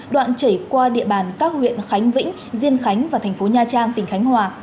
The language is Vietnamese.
đoạn chảy qua địa bàn các huyện khánh vĩnh diên khánh và thành phố nha trang tỉnh khánh hòa